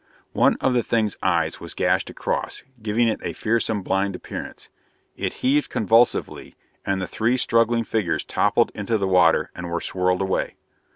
One of the Thing's eyes was gashed across, giving it a fearsome, blind appearance. It heaved convulsively, and the three struggling figures toppled into the water and were swirled away.